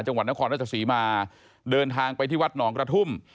จังหวัดนครราชสีมาเดินทางไปที่วัดหนองกระทุ่ม